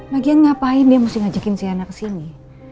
lagian ngapain dia mesti ngajakin si anak ke sini